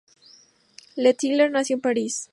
Le Tellier nació en París.